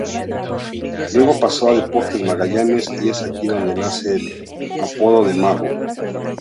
Luego pasó a Deportes Magallanes y es aquí donde nace el apodo de "Mago".